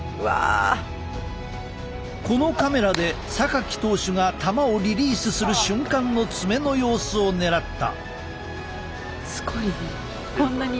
このカメラで投手が球をリリースする瞬間の爪の様子を狙った。